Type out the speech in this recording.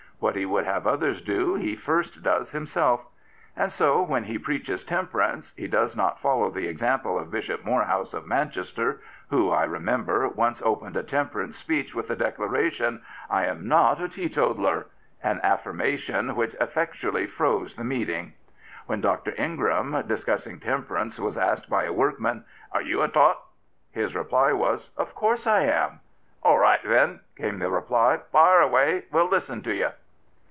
What he would have others do he first does himself. And so, when he preaches temperance, he does not follow the example of Bishop Moorhouse of Manchester, who, I remember, once opened a temperance speech with the declaration, "lam not a teetotaler "— an affirma tion which effectually froze the meeting. When Dr. Ingram, discussing tempexance, was asked by a workman, " Are you a ' tot '?" his reply was, " Of course I am," "All right, then," came the reply; " fire away. We'll listen to you."